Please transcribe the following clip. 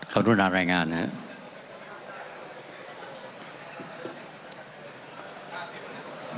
ขอรุณารายงานนะครับ